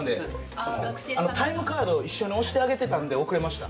タイムカードを一緒に押してあげてたので遅れました。